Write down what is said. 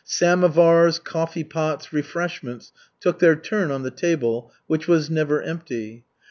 Samovars, coffee pots, refreshments took their turn on the table, which was never empty.